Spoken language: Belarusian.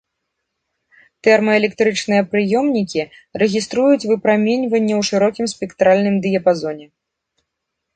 Тэрмаэлектрычныя прыёмнікі рэгіструюць выпраменьванне ў шырокім спектральным дыяпазоне.